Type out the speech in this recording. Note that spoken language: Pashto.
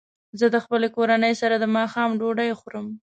زه د خپلې کورنۍ سره د ماښام ډوډۍ خورم.